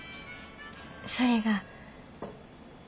それが。